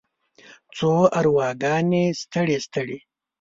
څو ارواګانې ستړې، ستړې